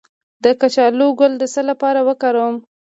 د کچالو ګل د څه لپاره وکاروم؟